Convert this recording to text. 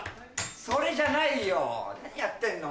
それじゃないよ何やってんの。